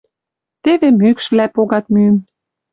Теве мӱкшвлӓ погат мӱм...